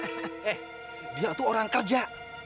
eh dia tuh orang kerja